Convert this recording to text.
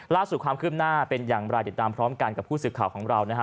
ล่าสุดความคืบหน้าเป็นอย่างไรติดตามพร้อมกันกับผู้สื่อข่าวของเรานะฮะ